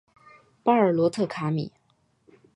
巴尔罗特卡米。